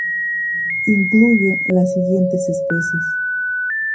Incluye las siguientes especies.